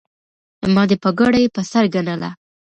ما دې پګړۍ په سر ګنله